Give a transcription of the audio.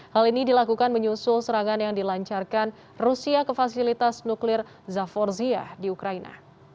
hal ini dilakukan menyusul serangan yang dilancarkan rusia ke fasilitas nuklir zaforzia di ukraina